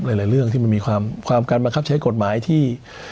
หลายเรื่องที่มันมีความการบังคับใช้กฎหมายที่